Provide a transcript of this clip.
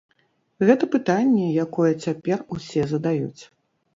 Гэта пытанне, якое цяпер усе задаюць.